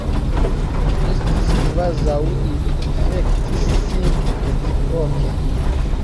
Estis kvazaŭ ili infektis sin reciproke.